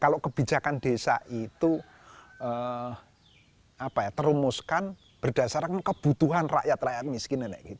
kalau kebijakan desa itu terumuskan berdasarkan kebutuhan rakyat rakyat miskin